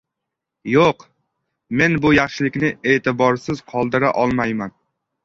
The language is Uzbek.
– Yoʻq, men bu yaxshilikni eʼtiborsiz qoldira olmayman.